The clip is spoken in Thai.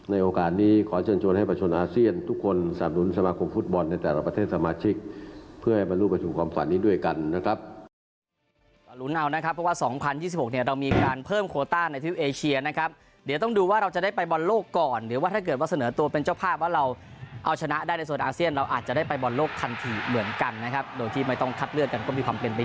ในโอกาสนี้ขอเช่นโชคให้ประชวรอาเซียนทุกคนส์สำรุนสมาคมฟุตบอลในแต่ละประเทศสมาชิกเพื่อให้มารูปจัดข่อมห์สารนี้ด้วยกันนะครับ